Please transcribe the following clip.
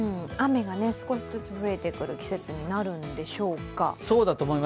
雨が少しずつ増えてくる季節になるんでしょうか。